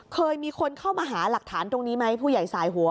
เคยมีคนเข้ามาหาหลักฐานตรงนี้ไหมผู้ใหญ่สายหัว